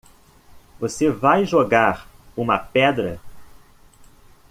Você vai jogar uma pedra?